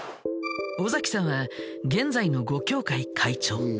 尾崎さんは現在の五協会会長。